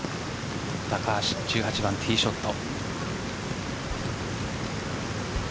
高橋１８番ティーショット。